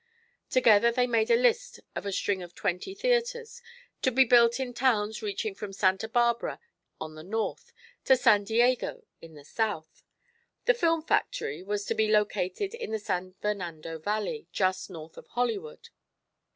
Together they made a list of a string of twenty theatres, to be built in towns reaching from Santa Barbara on the north to San Diego in the south. The film factory was to be located in the San Fernando Valley, just north of Hollywood.